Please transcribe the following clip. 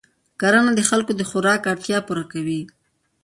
کرنه د خلکو د خوراک اړتیا پوره کوي